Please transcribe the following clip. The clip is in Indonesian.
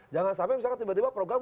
jangan sampai misalkan tiba tiba program